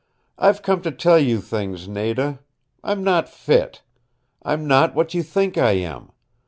"I've come to tell you things, Nada. I'm not fit. I'm not what you think I am.